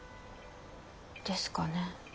ですかね。